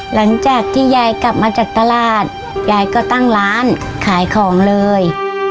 หลังจากที่ยายกลับมาจากตลาดยายก็ตั้งร้านขายของเลย